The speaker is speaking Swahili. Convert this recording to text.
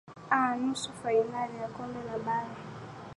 aa nusu fainali ya kombe la bara la